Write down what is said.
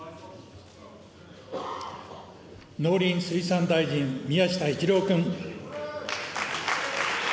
農林水産大臣、宮下一郎君。